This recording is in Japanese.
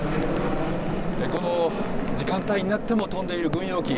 この時間帯になっても飛んでいる軍用機。